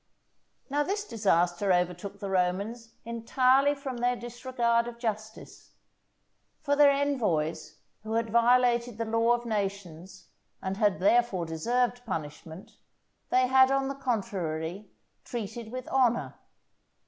Now this disaster overtook the Romans entirely from their disregard of justice. For their envoys, who had violated the law of nations, and had therefore deserved punishment, they had on the contrary treated with honour.